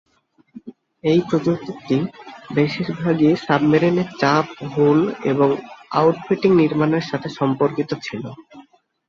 এই প্রযুক্তিটি বেশিরভাগই সাবমেরিনের চাপ হুল এবং আউট-ফিটিং নির্মাণের সাথে সম্পর্কিত ছিল।